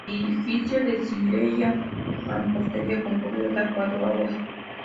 Edificio de sillería y mampostería con cubierta a cuatro aguas.